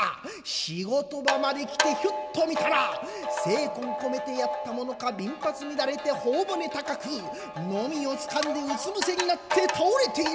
仕事場まで来てひょっと見たら精魂込めてやったものかびん髪乱れて頬骨高くノミをつかんでうつ伏せになって倒れている。